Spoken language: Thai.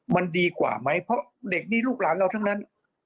มันดีกว่าไหมเพราะเด็กนี้ลูกหลานเราทั้งนั้น